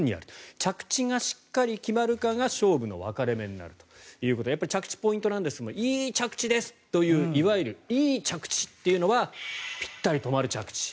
着地がしっかり決まるかが勝負の分かれ目になるということでやっぱり着地がポイントなんですがいい着地ですといういわゆるいい着地はぴったり止まる着地。